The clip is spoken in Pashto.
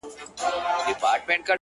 نه مي کوئ گراني؛ خو ستا لپاره کيږي ژوند؛